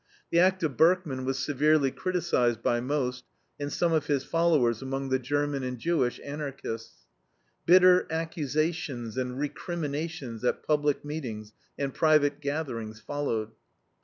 The act of Berkman was severely criticized by Most and some of his followers among the German and Jewish Anarchists. Bitter accusations and recriminations at public meetings and private gatherings followed.